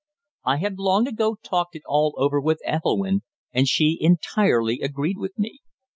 I had long ago talked it all over with Ethelwynn, and she entirely agreed with me.